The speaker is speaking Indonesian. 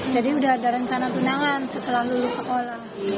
jadi udah ada rencana tunangan setelah lulus sekolah